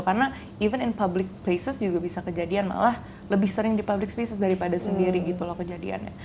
karena even in public places juga bisa kejadian malah lebih sering di public spaces daripada sendiri gitu loh kejadiannya